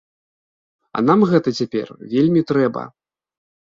А нам гэта цяпер вельмі трэба.